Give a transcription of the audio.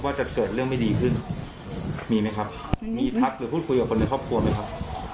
ว่าจะเกิดเรื่องไม่ดีขึ้นมีไหมครับมีทักหรือพูดคุยกับคนในครอบครัวไหมครับ